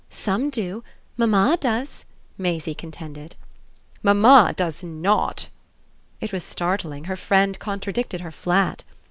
"Some do. Mamma does," Maisie contended. "Mamma does NOT!" It was startling her friend contradicted her flat.